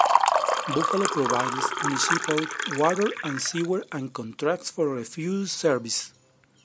Buffalo provides municipal water and sewer and contracts for refuse service.